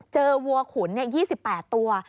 เจอวัวขุน๒๘ตัว